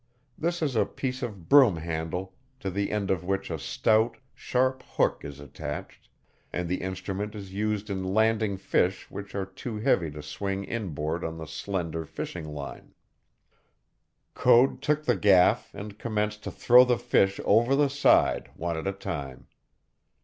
This is a piece of broom handle, to the end of which a stout, sharp hook is attached, and the instrument is used in landing fish which are too heavy to swing inboard on the slender fishing line. [Illustration: By this time the wind was a gale] Code took the gaff and commenced to throw the fish over the side one at a time.